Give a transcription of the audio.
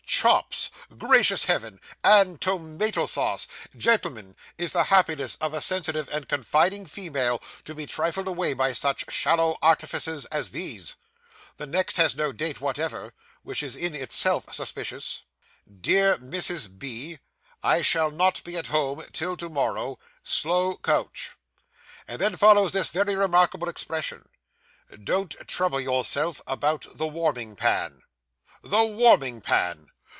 Chops! Gracious heavens! and tomato sauce! Gentlemen, is the happiness of a sensitive and confiding female to be trifled away, by such shallow artifices as these? The next has no date whatever, which is in itself suspicious. "Dear Mrs. B., I shall not be at home till to morrow. Slow coach." And then follows this very remarkable expression. "Don't trouble yourself about the warming pan." The warming pan!